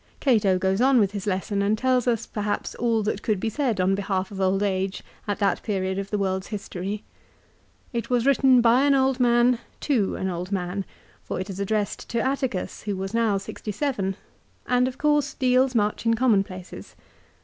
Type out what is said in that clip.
Cato goes on with his lesson and tells us perhaps all that could be said on behalf of old age, at that period of the CICERO'S MORAL ESSAYS. 381 world's history. It was written by an old man to an old man, for it is addressed to Atticus, who was now sixty seven ; and of course deals much in commonplaces.